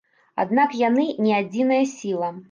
Аднак яны не адзіная сіла.